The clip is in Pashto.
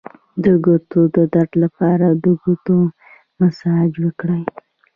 د ګوتو د درد لپاره د ګوتو مساج وکړئ